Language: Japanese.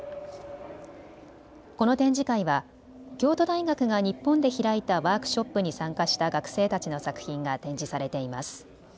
この展示会は京都大学が日本で開いたワークショップに参加した学生たちの作品が展示されています。